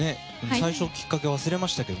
最初のきっかけは忘れましたけど。